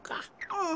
うん。